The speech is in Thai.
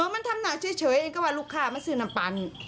ไม่มีอะไรเลย